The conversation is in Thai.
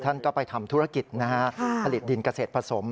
ท่านก็ไปทำธุรกิจนะฮะผลิตดินเกษตรผสม